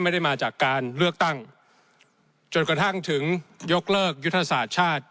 ไม่ได้มาจากการเลือกตั้งจนกระทั่งถึงยกเลิกยุทธศาสตร์ชาติ